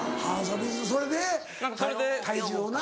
水それで体重をな。